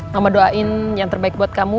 mama doain yang terbaik buat kamu